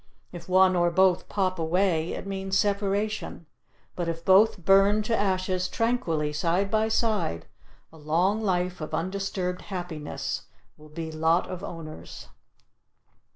If one or both pop away, it means separation; but if both burn to ashes tranquilly side by side, a long life of undisturbed happiness will be lot of owners.